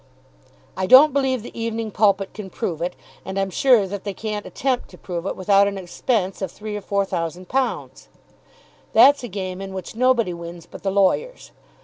"I don't believe the 'Evening Pulpit' can prove it, and I'm sure that they can't attempt to prove it without an expense of three or four thousand pounds. That's a game in which nobody wins but the lawyers.